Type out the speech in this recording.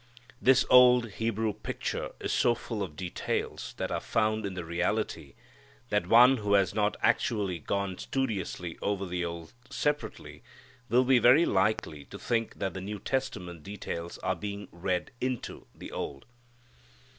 This old Hebrew picture is so full of details that are found in the reality that one who has not actually gone studiously over the Old separately will be very likely to think that the New Testament details are being read into the Old.